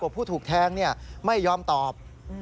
ผู้ถูกแทงเนี่ยไม่ยอมตอบ